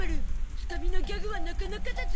つかみのギャグはなかなかだゾ。